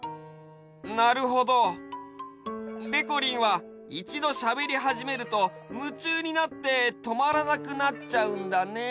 なるほど。でこりんはいちどしゃべりはじめるとむちゅうになってとまらなくなっちゃうんだね。